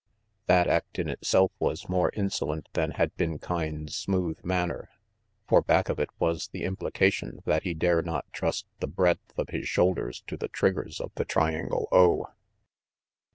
That act, in itself, was more insolent than had been Kyne's smooth manner, for back of it was the implication that he dare not trust the breadth of his shoulders to the triggers of the Triangle O.